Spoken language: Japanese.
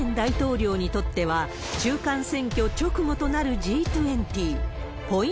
バイデン大統領にとっては、中間選挙直後となるＧ２０。